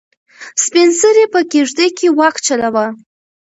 سپین سرې په کيږدۍ کې واک چلاوه.